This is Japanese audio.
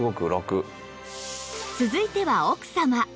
続いては奥様